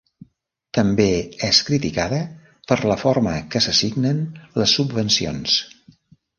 També és criticada per la forma que s'assignen les subvencions.